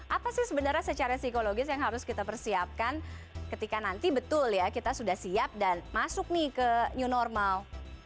apa sih sebenarnya secara psikologis yang harus kita persiapkan ketika nanti betul ya kita sudah siap dan masuk nih ke new normal